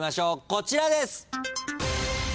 こちらです。